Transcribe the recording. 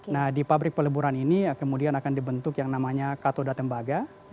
nah di pabrik peleburan ini kemudian akan dibentuk yang namanya katoda tembaga